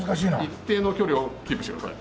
一定の距離をキープしてください。